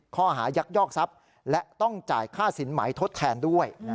ข้อหายักยอกทรัพย์และต้องจ่ายค่าสินไหมทดแทนด้วย